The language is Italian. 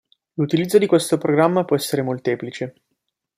L'utilizzo di questo programma può essere molteplice.